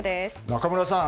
仲村さん